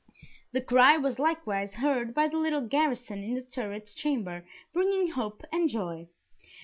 The cry was likewise heard by the little garrison in the turret chamber, bringing hope and joy.